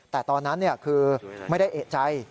แต่ตอนนั้นคือไม่ได้เอกใจ